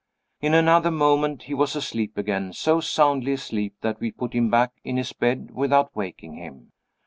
In another moment he was asleep again, so soundly asleep that we put him back in his bed without waking him.